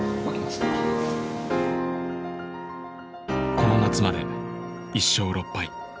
この夏まで１勝６敗。